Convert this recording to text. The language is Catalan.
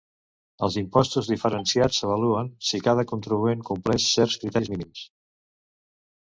Els impostos diferenciats s'avaluen si cada contribuent compleix certs criteris mínims.